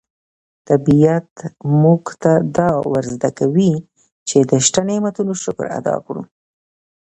طبیعت موږ ته دا ور زده کوي چې د شته نعمتونو شکر ادا کړو.